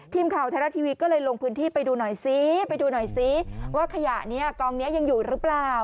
ทีมข่าวไทยรัฐทีวีก็เลยลงพื้นที่ไปดูหน่อยซิไปดูหน่อยซิว่าขยะนี้กองนี้ยังอยู่หรือเปล่า